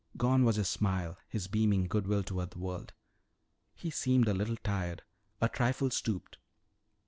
Gone was his smile, his beaming good will toward the world. He seemed a little tired, a trifle stooped.